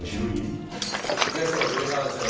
ゲストの女優さんはですね